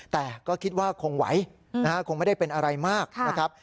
แต่ก็คิดว่าคงไหวนะฮะคงไม่ได้เป็นอะไรมากนะครับ